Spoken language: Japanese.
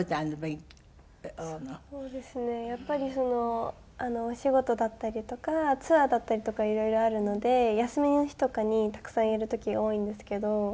そうですねやっぱりそのお仕事だったりとかツアーだったりとかいろいろあるので休みの日とかにたくさんやる時が多いんですけど。